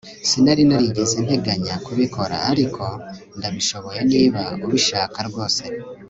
sinari narigeze nteganya kubikora, ariko ndabishoboye niba ubishaka rwose